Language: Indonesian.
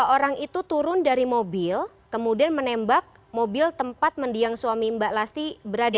orang itu turun dari mobil kemudian menembak mobil tempat mendiang suami mbak lasti berada